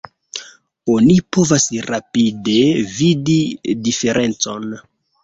Oni povas rapide vidi diferencon.